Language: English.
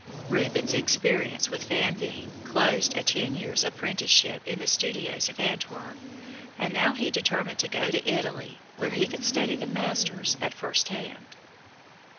Rubens' experience with Van Veen closed a ten years' apprenticeship in the studios of Antwerp, and now he determined to go to Italy, where he could study the masters at first hand.